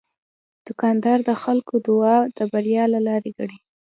دوکاندار د خلکو دعا د بریا لاره ګڼي.